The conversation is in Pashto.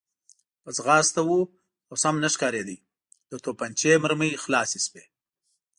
په ځغاسته و او سم نه ښکارېده، د تومانچې مرمۍ خلاصې شوې.